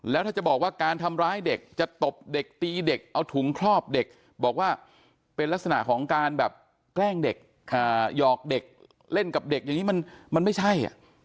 แล้วถ้าจะบอกว่าการทำร้ายเด็กจะตบเด็กตีเด็กเอาถุงครอบเด็กบอกว่าเป็นลักษณะของการแบบแกล้งเด็กหยอกเด็กเล่นกับเด็กอย่างนี้มันไม่ใช่